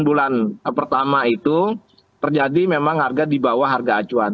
enam bulan pertama itu terjadi memang harga di bawah harga acuan